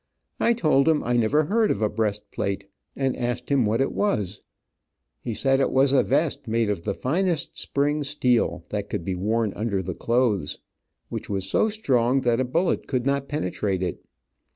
I told him I never heard of a breastplate, and asked him what it was. He said it was a vest made of the finest spring steel, that could be worn under the clothes, which was so strong that a bullet could not penetrate it.